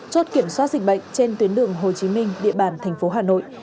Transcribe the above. chốt kiểm soát dịch bệnh trên tuyến đường hồ chí minh địa bàn thành phố hà nội